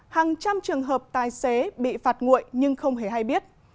hàng trăm trường hợp tài xế bị phạt nguội nhưng không hề hay biết